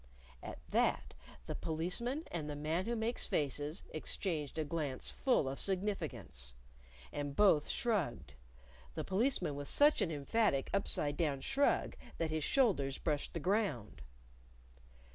At that, the Policeman and the Man Who Makes Faces exchanged a glance full of significance. And both shrugged the Policeman with such an emphatic upside down shrug that his shoulders brushed the ground.